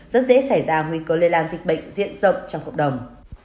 rất dễ xảy ra nguy cơ lây lan dịch bệnh diện rộng trong cộng đồng